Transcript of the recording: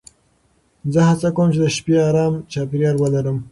زه هڅه کوم چې د شپې ارام چاپېریال ولرم.